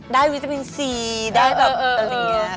วิตามินซีได้แบบอะไรอย่างนี้